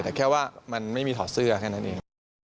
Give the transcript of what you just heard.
แต่แค่ว่ามันไม่มีถอดเสื้อแค่นั้นเอง